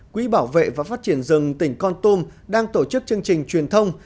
quỹ bảo vệ và phát triển rừng tỉnh con tum đang tổ chức chương trình truyền thông